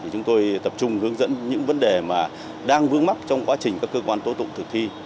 chúng tôi tập trung hướng dẫn những vấn đề đang vướng mắt trong quá trình các cơ quan tố tụng thực thi